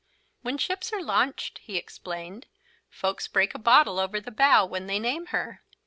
"When ships are launched," he explained, "folks break a bottle over the bow when they name her."